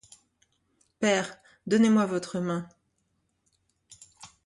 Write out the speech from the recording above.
Père, donnez-moi votre main.